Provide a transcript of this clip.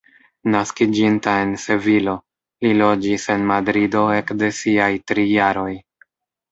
Naskiĝinta en Sevilo, li loĝis en Madrido ekde siaj tri jaroj.